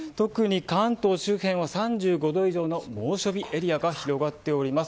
関東周辺は３５度以上の猛暑日エリアが広がっています。